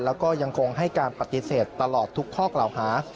แล้วก็ยังคงให้การปฏิเสธตลอดทุกข้อกล่าวหา